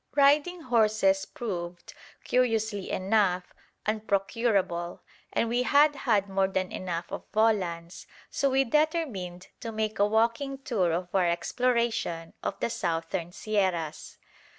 Riding horses proved, curiously enough, unprocurable, and we had had more than enough of volans, so we determined to make a walking tour of our exploration of the Southern Sierras.